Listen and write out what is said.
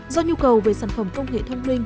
do nhu cầu về sản phẩm công nghệ thông minh